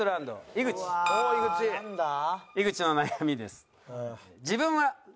井口の悩みです。